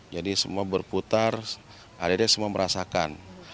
jadi semua berputar adik adik semua merasakan